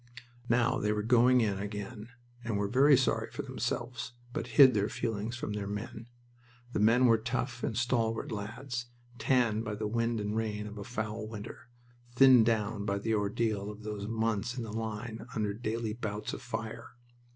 Now they were "going in" again, and were very sorry for themselves, but hid their feelings from their men. The men were tough and stalwart lads, tanned by the wind and rain of a foul winter, thinned down by the ordeal of those months in the line under daily bouts of fire.